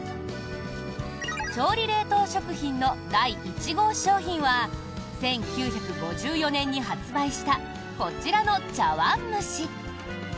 調理冷凍食品の第１号商品は１９５４年に発売したこちらの茶碗むし。